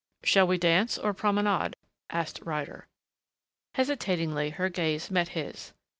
"Shall we dance or promenade?" asked Ryder. Hesitatingly her gaze met his.